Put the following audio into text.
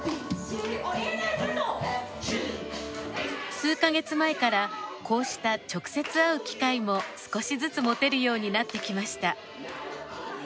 数カ月前からこうした直接会う機会も少しずつ持てるようになってきました。